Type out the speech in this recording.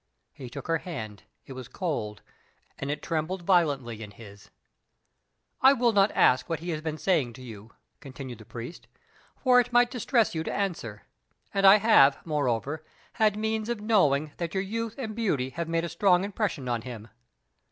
He took her hand; it was cold, and it trembled violently in his. "I will not ask what he has been saying to you," continued the priest; "for it might distress you to answer, and I have, moreover, had means of knowing that your youth and beauty have made a strong impression on him.